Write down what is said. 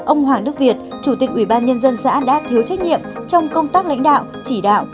ông hoàng đức việt chủ tịch ủy ban nhân dân xã đã thiếu trách nhiệm trong công tác lãnh đạo chỉ đạo